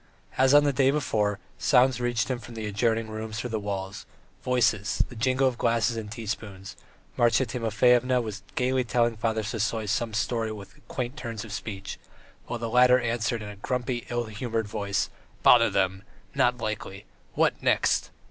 As on the day before, sounds reached him from the adjoining rooms through the walls, voices, the jingle of glasses and teaspoons. ... Marya Timofyevna was gaily telling Father Sisoy some story with quaint turns of speech, while the latter answered in a grumpy, ill humoured voice: "Bother them! Not likely! What next!"